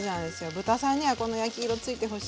豚さんにはこの焼き色ついてほしい。